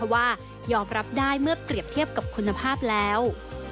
ว่ายอมรับได้เมื่อเปรียบเทียบกับคุณภาพแล้ว